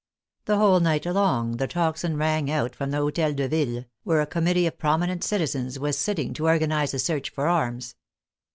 The whole night long the tocsin rang out from the Hotel de Ville, where a committee of prominent citizens was sitting to organize a search for arms.